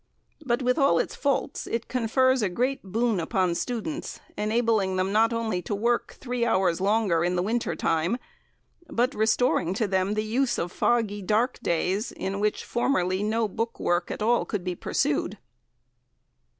But with all its faults it confers a great boon upon students, enabling them not only to work three hours longer in the winter time, but restoring to them the use of foggy and dark days, in which formerly no book work at all could be pursued.